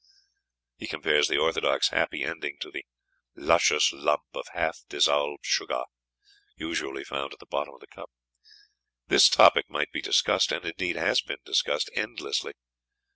He compares the orthodox happy ending to "the luscious lump of half dissolved sugar" usually found at the bottom of the cup. This topic might be discussed, and indeed has been discussed, endlessly.